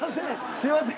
「すいません」。